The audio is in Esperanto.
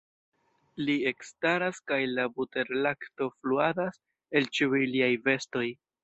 Li ekstaras kaj la buterlakto fluadas el ĉiuj liaj vestoj.